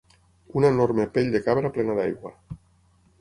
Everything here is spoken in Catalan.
Una enorme pell de cabra plena d'aigua